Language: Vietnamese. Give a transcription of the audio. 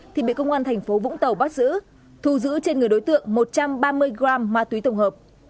thì bị công an thành phố vũng tàu bác sử thu giữ trên người đối tượng một trăm ba mươi gram ma túy tổng hợp